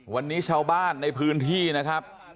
วันนี้ชาวบ้านในพื้นที่นะครับ